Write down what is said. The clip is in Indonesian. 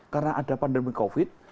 karena ada pandemi covid